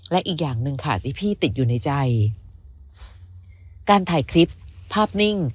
และอีกอย่างหนึ่งค่ะที่พี่ติดอยู่ในใจการถ่ายคลิปภาพนิ่ง